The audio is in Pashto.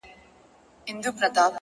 لوړ همت ستړې پښې نه احساسوي,